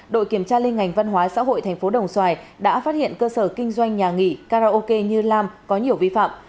đội kiểm tra linh ngành văn hóa xã hội tp đồng xoài đã phát hiện cơ sở kinh doanh nhà nghỉ karaoke như làm có nhiều vi phạm